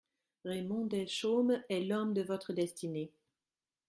Raymond Delchaume est l'homme de votre destinée.